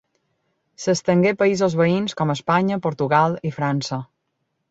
S'estengué a països veïns com Espanya, Portugal i França.